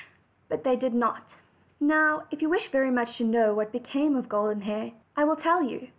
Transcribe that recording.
But they did not. Now if you wish very much to know what became of Golden Hair, I will tell you.